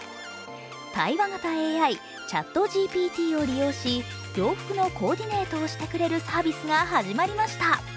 対話型ＡＩ、ＣｈａｔＧＰＴを利用し洋服のコーディネートをしてくれるサービスが始まりました。